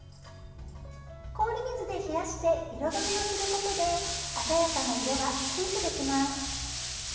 氷水で冷やして色止めをすることで鮮やかな色がキープできます。